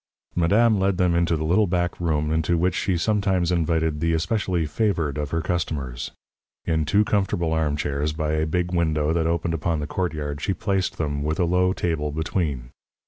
Madame led them into the little back room, into which she sometimes invited the especially favoured of her customers. In two comfortable armchairs, by a big window that opened upon the courtyard, she placed them, with a low table between.